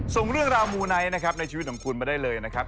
ส่งเรื่องราวมูไนท์นะครับในชีวิตของคุณมาได้เลยนะครับ